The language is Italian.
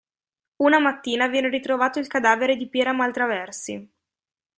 Una mattina viene ritrovato il cadavere di Piera Maltraversi.